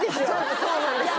そうなんですよ